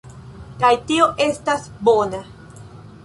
kaj tio estas bona.